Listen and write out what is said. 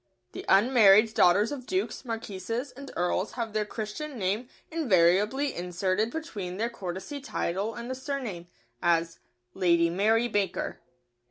The unmarried daughters of dukes, marquises, and earls have their Christian name invariably inserted between their courtesy title and surname, as: "Lady Mary Baker."